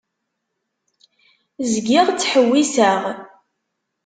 Zgiɣ ttḥewwiseɣ.